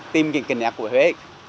tìm cái kính đẹp của huế